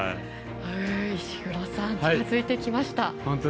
石黒さん、近づいてきました。